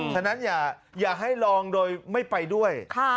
ฉะนั้นอย่าให้ลองโดยไม่ไปด้วย